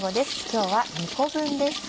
今日は２個分です。